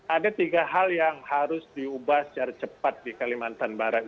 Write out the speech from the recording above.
ada tiga hal yang harus diubah secara cepat di kalimantan barat